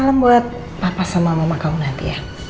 salam buat papa sama mama kamu nanti ya